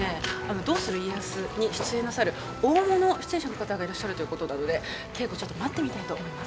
「どうする家康」に出演なさる大物出演者の方がいらっしゃるということなので恵子ちょっと待ってみたいと思います。